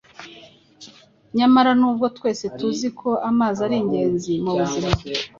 Nyamara nubwo twese tuzi ko amazi ari ingenzi mubuzima,